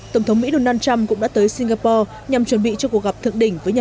tổng thống mỹ donald trump cũng đã tới singapore nhằm chuẩn bị cho cuộc gặp thượng đỉnh với nhà